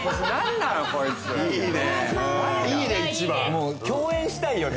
もう共演したいよね。